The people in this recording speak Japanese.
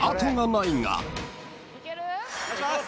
お願いします！